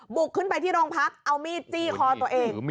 บุกขึ้นไปที่โรงพักเอามีดจี้คอตัวเอง